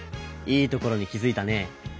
いいところに気づいたね。